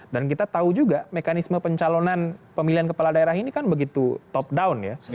dan kita tahu juga mekanisme pencalonan pemilihan kepala daerah ini kan begitu top down ya